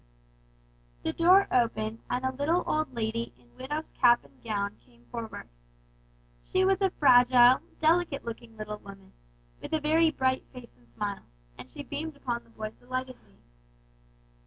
The door opened and a little old lady in widow's cap and gown came forward. She was a fragile, delicate looking little woman, with a very bright face and smile, and she beamed upon the boys delightedly.